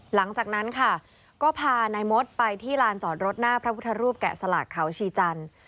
หลังจากนั้นค่ะก็พานายมดไปที่ลานจอดรถหน้าพระพุทธรูปแกะสลักเขาชีจันทร์